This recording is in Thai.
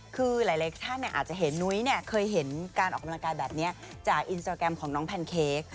คือหลายท่านอาจจะเห็นนุ้ยเคยเห็นการออกกำลังกายแบบนี้จากอินสตราแกรมของน้องแพนเค้ก